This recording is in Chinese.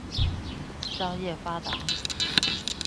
商业发达。